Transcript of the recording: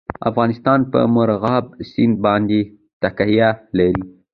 افغانستان په مورغاب سیند باندې تکیه لري.